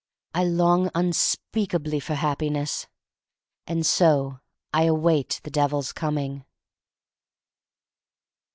I long unspeakably for Happiness. And so I await the Devil's coming.